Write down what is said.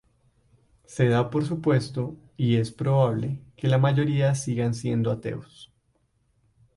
Se da por supuesto, y es probable, que la mayoría sigan siendo ateos.